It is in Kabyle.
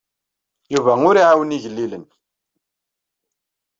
Yuba ur iɛawen igellilen.